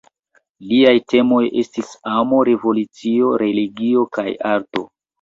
Liaj temoj estis amo, revolucio, religio kaj arto.